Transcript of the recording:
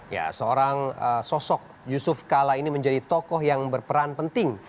ya seorang sosok yusuf kala ini menjadi tokoh yang berperan penting